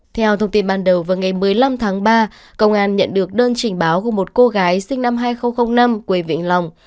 theo thông tin ban đầu vào ngày một mươi năm tháng ba công an nhận được đơn trình báo của một cô gái sinh năm hai nghìn năm quê vĩnh long